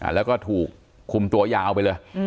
แล้วก็ถูกคุมตัวยาวไปเลย